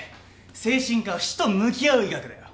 精神科は死と向き合う医学だよ。